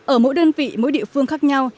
ở mỗi đơn vị mỗi địa phương khác nhau